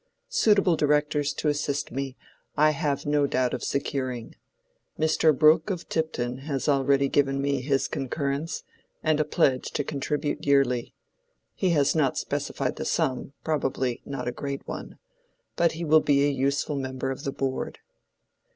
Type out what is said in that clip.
Suitable directors to assist me I have no doubt of securing. Mr. Brooke of Tipton has already given me his concurrence, and a pledge to contribute yearly: he has not specified the sum—probably not a great one. But he will be a useful member of the board."